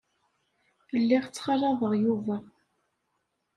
Lliɣ ttxalaḍeɣ Yuba.